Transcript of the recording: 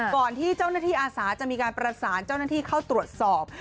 ก่อนที่เจ้าหน้าที่อาสาจะมีการประสานเจ้าหน้าที่เข้าตรวจสอบ